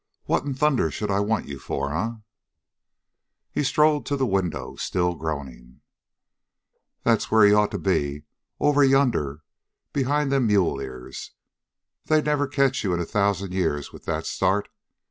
What in thunder should I want you for, eh?" He strode to the window, still groaning. "There's where you'd ought to be, over yonder behind them mule ears. They'd never catch you in a thousand years with that start.